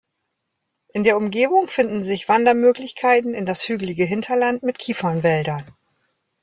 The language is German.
In der Umgebung finden sich Wandermöglichkeiten in das hügelige Hinterland mit Kiefernwäldern.